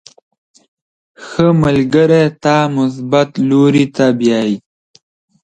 • ښه ملګری تا مثبت لوري ته بیایي.